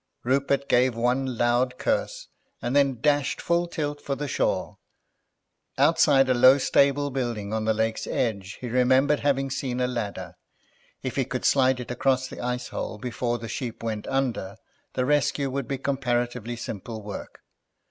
Rupert gave one loud curse, and then dashed full tilt for the shore; outside a low stable building on the lake's edge he remembered having seen a ladder. If he could slide it across the ice hole before the Sheep went under the rescue would be comparatively simple work.